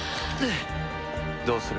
どうする？